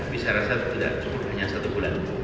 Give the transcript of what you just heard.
bisa rasa tidak cukup hanya satu bulan